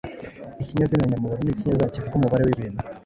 Ikinyazina nyamubaro ni ikinyazina kivuga umubare w’ibintu